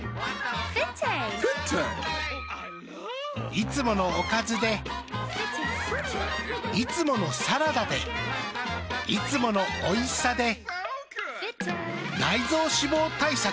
いつものおかずでいつものサラダでいつものおいしさで内臓脂肪対策。